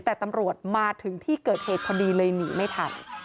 แต่ตำรวจมาถึงที่เกิดเหตุพอดีเลยหนีไม่ทัน